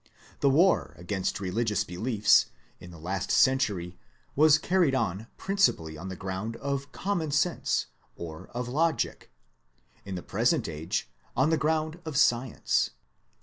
The war against religious beliefs, in the last century was carried on principally on the ground of common sense or of logic ; in the present age, on the ground of science.